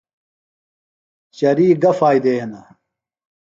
چریۡ گہ فائدے ہِنہ؟